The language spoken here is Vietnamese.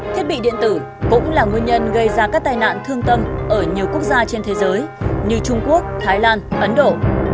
thiết bị điện tử cũng là nguyên nhân gây ra các tai nạn thương tâm ở nhiều quốc gia trên thế giới như trung quốc thái lan ấn độ